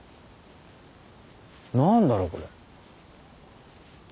何だろうこれ。